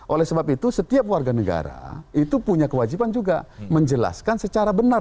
oleh sebab itu setiap warga negara itu punya kewajiban juga menjelaskan secara benar